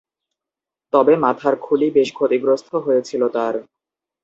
তবে, মাথার খুলি বেশ ক্ষতিগ্রস্ত হয়েছিল তার।